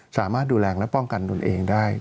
สามารถดูแลและป้องกันตนเองได้